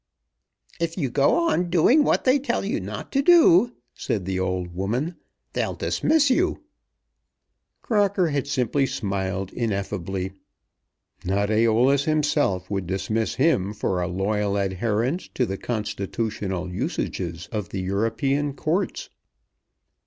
'" "If you go on doing what they tell you not to do," said the old woman, "they'll dismiss you." Crocker had simply smiled ineffably. Not Æolus himself would dismiss him for a loyal adherence to the constitutional usages of European Courts.